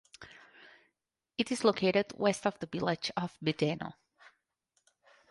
It is located west of the village of Vedeno.